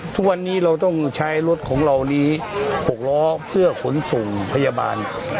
ทุกวันนี้เราต้องใช้รถของเรานี้๖ล้อเพื่อขนส่งพยาบาล